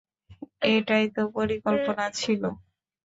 এটাই তো পরিকল্পনা ছিলো!